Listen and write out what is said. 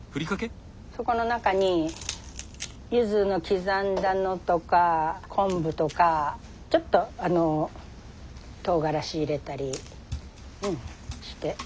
そこの中にゆずの刻んだのとか昆布とかちょっととうがらし入れたりねして。